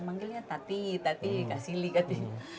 tapi dia masih tetap berhati hati kasih liat hati